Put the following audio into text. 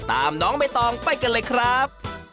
น้องใบตองไปกันเลยครับ